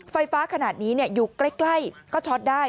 ไฟฟ้าขนาดนี้อยู่ใกล้ก็ช็อตได้